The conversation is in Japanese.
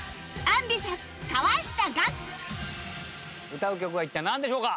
歌う曲は一体なんでしょうか？